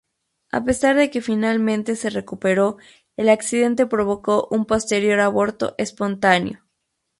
A pesar de que finalmente se recuperó, el accidente provocó un posterior aborto espontáneo.